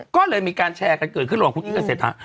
ก็เลยมีการแชร์กันเกิดขึ้นหลังคุณอิ๊งกันเสร็จฮะ